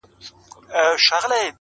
دا چي دي شعرونه د زړه جيب كي وړي ـ